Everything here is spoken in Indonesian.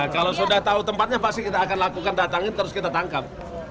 kalau sudah tahu tempatnya pasti kita akan lakukan datangin terus kita tangkap